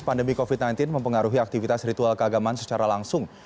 pandemi covid sembilan belas mempengaruhi aktivitas ritual keagamaan secara langsung